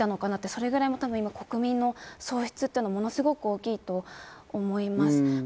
それも今、国民の喪失感というのもすごく大きいと思います。